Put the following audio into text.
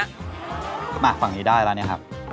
เถอะมาฝั่งนี้ได้แล้วนี่ครับ